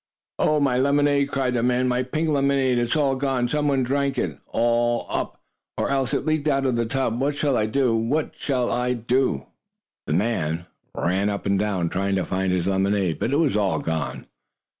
"Oh, my lemonade!" cried the man. "My pink lemonade! It is all gone! Some one drank it all up, or else it leaked out of the tub! What shall I do? What shall I do?" The man ran up and down, trying to find his lemonade, but it was all gone.